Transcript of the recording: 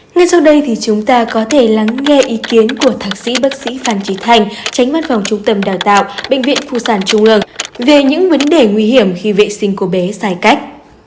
ngay sau đây thì chúng ta có thể lắng nghe ý kiến của thạc sĩ bác sĩ phan trí thành tránh văn phòng trung tâm đào tạo bệnh viện phụ sản trung ương về những vấn đề nguy hiểm khi vệ sinh cô bé giải cách